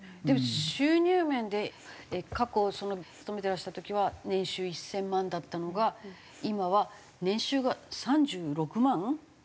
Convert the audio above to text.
でも収入面で過去勤めてらした時は年収１０００万だったのが今は年収が３６万？